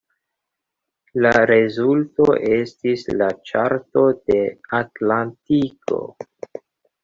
La rezulto estis la Ĉarto de Atlantiko.